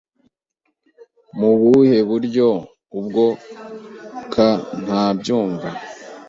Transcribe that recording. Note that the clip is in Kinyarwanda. Mu buhe buryo ubwo ka ntabyumva